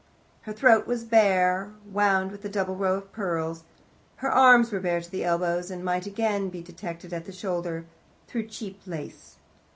Her throat was bare, wound with a double row of pearls, her arms were bare to the elbows, and might again be detected at the shoulder, through cheap lace.